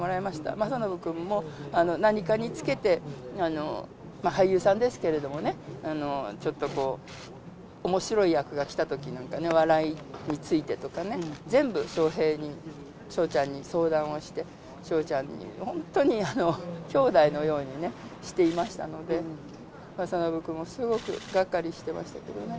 政伸君も、何かにつけて、俳優さんですけれどもね、ちょっとおもしろい役が来たときなんかね、笑いについてとかね、全部笑瓶に、笑ちゃんに相談をして、笑ちゃんに本当にきょうだいのようにね、していましたのでね、政伸君もすごくがっかりしてましたけどね。